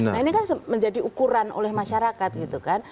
nah ini kan menjadi ukuran oleh masyarakat gitu kan